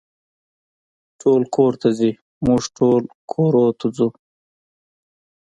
ټول کور ته ځي، موږ ټول کورونو ته ځو.